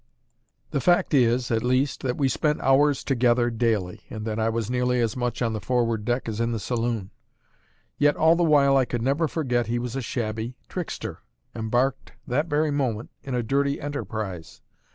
The fact is (at least) that we spent hours together daily, and that I was nearly as much on the forward deck as in the saloon. Yet all the while I could never forget he was a shabby trickster, embarked that very moment in a dirty enterprise.